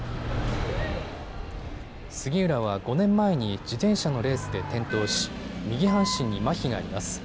杉浦は５年前に自転車のレースで転倒し右半身にまひがあります。